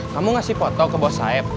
kamu ngasih foto ke bos saya